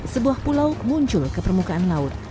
sebuah pulau muncul ke permukaan laut